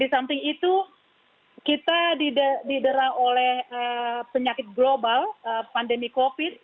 di samping itu kita diderang oleh penyakit global pandemi covid